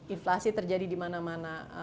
inflasi terjadi di mana mana